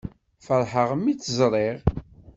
Ferḥeɣ mi tt-ẓriɣ.